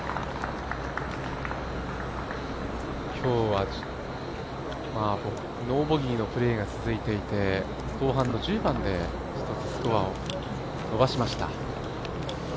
今日はノーボギーのプレーが続いていて後半の１０番で１つスコアを伸ばしてきました。